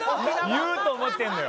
言うと思ってんのよ。